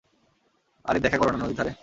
আরে দেখা করো না, নদীর ধারে?